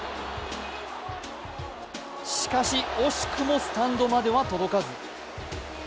しかし、惜しくもスタンドまでは届かず。